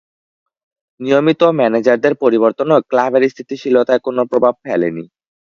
নিয়মিত ম্যানেজারদের পরিবর্তনও ক্লাবের স্থিতিশীলতায় কোন প্রভাব ফেলেনি।